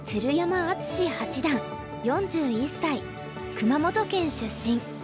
熊本県出身。